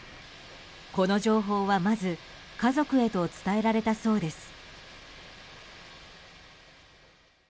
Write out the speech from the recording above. この情報はまず家族へと伝えられたそうです。